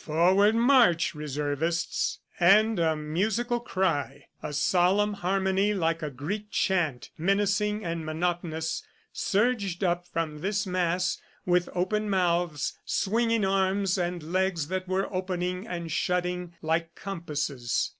Forward march, Reservists! ... And a musical cry, a solemn harmony like a Greek chant, menacing and monotonous, surged up from this mass with open mouths, swinging arms, and legs that were opening and shutting like compasses.